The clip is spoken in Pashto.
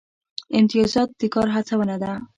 امتیازات د کار هڅونه ده